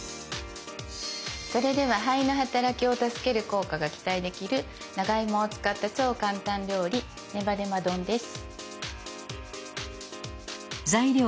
それでは「肺」の働きを助ける効果が期待できる長芋を使った超簡単料理「ねばねば丼」です。